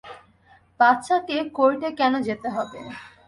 বাচ্চাকে কোর্টে কেন যেতে হবে?